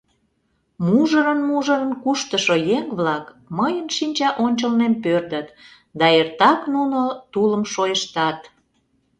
Мужырын-мужырын куштышо еҥ-влак мыйын шинча ончылнем пӧрдыт да эртак нуно тулым шойыштат.